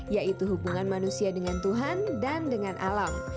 yaitu hubungan manusia dengan tuhan dan dengan alam